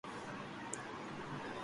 تو ڪوئئي وچار ديئي دي